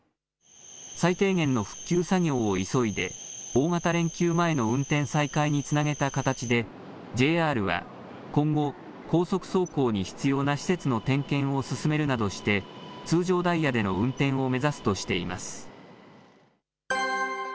最低限の復旧作業を急いで、大型連休前の運転再開につなげた形で、ＪＲは今後、高速走行に必要な施設の点検を進めるなどして、通常ダイヤでの運転を目指すとしています。